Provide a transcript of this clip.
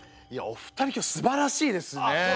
いやお二人今日すばらしいですね。